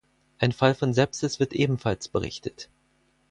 Ein Fall von Sepsis wird ebenfalls berichtet.